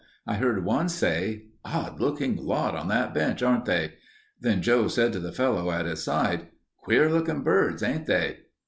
I heard one say, "Odd looking lot on that bench, aren't they?" Then Joe said to the fellow at his side, "Queer looking birds, ain't they?"